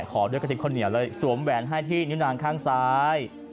ขอด้วยกระซิบข้าวเหนียวเลยสวมแหวนให้ที่นิ้วนางข้างซ้าย